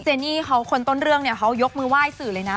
เนนี่เขาคนต้นเรื่องเนี่ยเขายกมือไหว้สื่อเลยนะ